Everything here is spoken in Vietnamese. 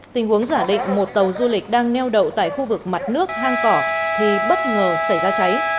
tình huống giả định một tàu du lịch đang neo đậu tại khu vực mặt nước hang cỏ thì bất ngờ xảy ra cháy